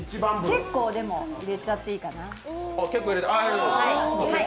結構入れちゃっていいかな。